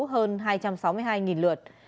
hơn hai trăm sáu mươi hai lượt